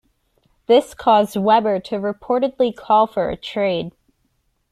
This caused Webber to reportedly call for a trade.